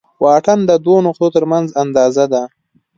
واټن د دوو نقطو تر منځ اندازه ده.